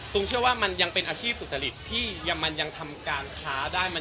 ตุ้มเชื่อว่ามันยังเป็นอาชีพสุขธริปยังทำการค้าได้